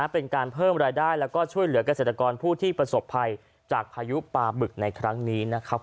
เป็นการเพิ่มรายได้แล้วก็ช่วยเหลือกเกษตรกรผู้ที่ประสบภัยจากพายุปลาบึกในครั้งนี้นะครับ